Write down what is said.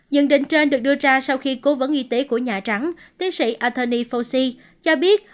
nhận định trên được đưa ra sau khi cố vấn y tế của nhà trắng tiến sĩ anthony fauci cho biết